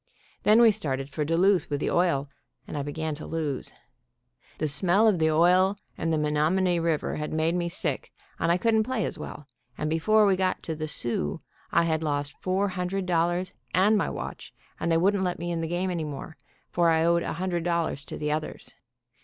Then we started for Duluth with the oil, and I began to lose. The smell of the oil and the Menomonee river had made me sick, and I couldn't play as well, and before we got to the "Soo" I had lost four hundred dollars and my watch, and they wouldn't let me in the game any more, for I owed a hundred dollars to the others.